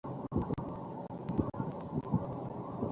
আবেগে তাড়িত হয়ে আপনি বিভিন্ন ধরনের পাঁচ কেজি মিষ্টি কিনে ফেললেন।